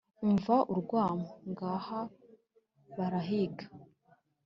Umva urwamo, ngaha barahiga :